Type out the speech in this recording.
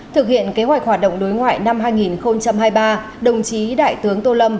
thực hiện kế hoạch hoạt động đối ngoại năm hai nghìn hai mươi ba đồng chí đại tướng tô lâm